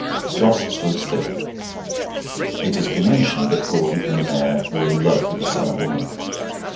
Jos stood still. It has been mentioned that Gordon and the Mayor were in love with the same woman.